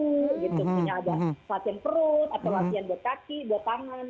misalnya ada latihan perut atau latihan buat kaki buat tangan